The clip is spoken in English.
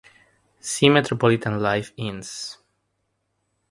See Metropolitan Life Ins.